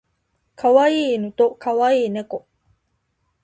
可愛い犬と可愛い猫